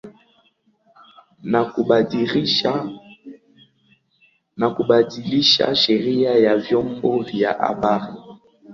na kubadilisha sheria ya vyombo vya habari